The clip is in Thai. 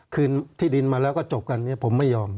เฮียงที่ดินมาก็จะจบกันผมไม่ยอม